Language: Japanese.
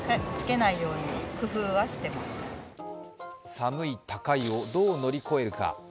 寒い、高いをどう乗り越えるか。